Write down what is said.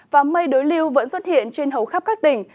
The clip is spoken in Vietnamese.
và mây đối lưu vẫn xuất hiện trên hầu khắp các tỉnh